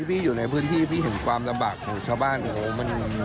แต่ถ้ามาเห็นความทุกอย่าง